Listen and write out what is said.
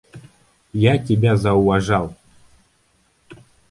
Я тебя зауважал.